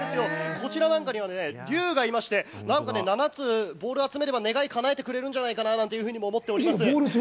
こちらには竜がいまして、なんと７つボールを集めれば願い、叶えてくれるんじゃないかななんて思っております。